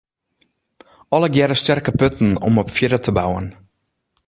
Allegearre sterke punten om op fierder te bouwen.